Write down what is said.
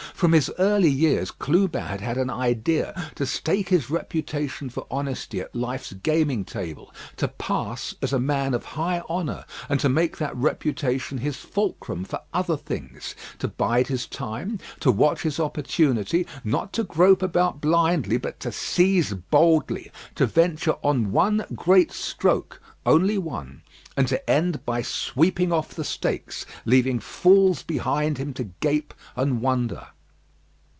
From his early years Clubin had had an idea to stake his reputation for honesty at life's gaming table; to pass as a man of high honour, and to make that reputation his fulcrum for other things; to bide his time, to watch his opportunity; not to grope about blindly, but to seize boldly; to venture on one great stroke, only one; and to end by sweeping off the stakes, leaving fools behind him to gape and wonder.